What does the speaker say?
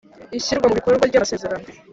Ishyirwa mu bikorwa ry Amasezerano